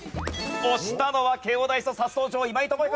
押したのは慶應大卒初登場今井朋彦さん。